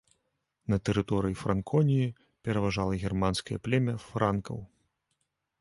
На тэрыторыі франконіі пражывала германскае племя франкаў.